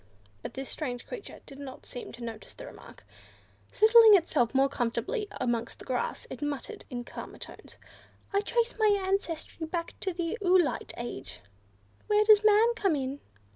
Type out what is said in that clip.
But this strange creature did not seem to notice the remark. Settling itself more comfortably amongst the grass, it muttered in calmer tones, "I trace my ancestry back to the oolite age. Where does man come in?"